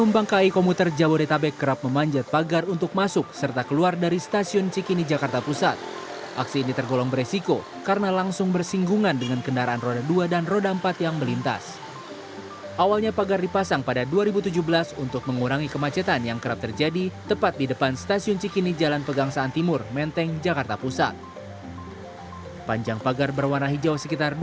pagang jawa detabek